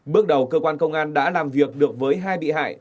bước đầu cơ quan công an đã làm việc được với hai bị hại